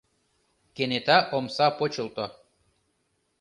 Кенета омса почылто.